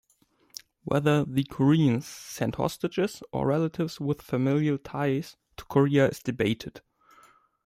Whether the Koreans sent hostages or relatives with familial ties to Korea is debated.